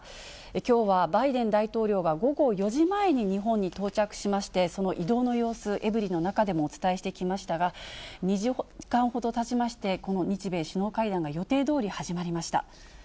きょうはバイデン大統領が午後４時前に日本に到着しまして、その移動の様子、エブリィの中でもお伝えしてきましたが、２時間ほどたちまして、この日米首脳会談が予定どおり、始まりました。